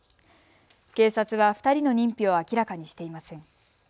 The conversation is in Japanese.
警察は２人の認否を明らかにしていません。